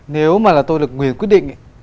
nếu mà là tôi được quyền quyết định